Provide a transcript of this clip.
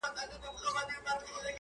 اوس مي د زړه پر تكه سپينه پاڼه.